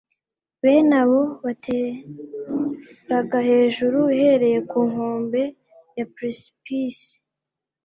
bene abo bateraga hejuru uhereye ku nkombe ya precipice